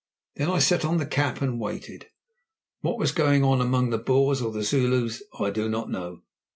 Then I set on the cap and waited. What was going on among the Boers or the Zulus I do not know.